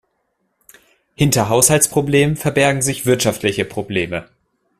Hinter Haushaltsproblemen verbergen sich wirtschaftliche Probleme.